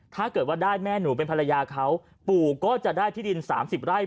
ถ้าเกิดว่าได้แม่หนูเป็นภรรยาเขาปู่ก็จะได้ที่ดิน๓๐ไร่